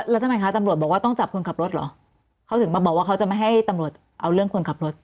แล้วทำไมคะตำรวจบอกว่าต้องจับคนขับรถเหรอเขาถึงมาบอกว่าเขาจะไม่ให้ตำรวจเอาเรื่องคนขับรถ